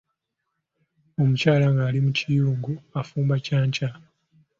Omukyala ng'ali mu kiyungu affumba kya nkya.